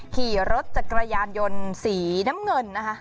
ขี่รถจักรยานยนต์สีน้ำเงินนะคะ